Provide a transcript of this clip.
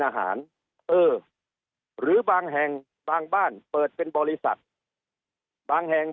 อาหารเออหรือบางแห่งบางบ้านเปิดเป็นบริษัทบางแห่ง